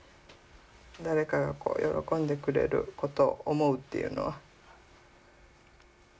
誰かが喜んでくれることを思うっていうのは。